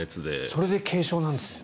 それで軽症なんですね。